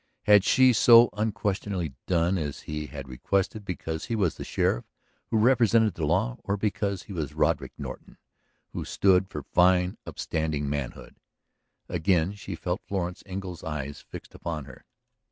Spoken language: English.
Had she so unquestioningly done as he had requested because he was the sheriff who represented the law? or because he was Roderick Norton who stood for fine, upstanding manhood? ... Again she felt Florence Engle's eyes fixed upon her.